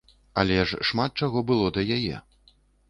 Але ж шмат чаго было да яе.